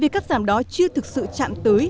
vì cắt giảm đó chưa thực sự chạm tới